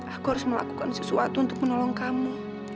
aku harus melakukan sesuatu untuk menolong kamu